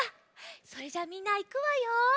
それじゃあみんないくわよ。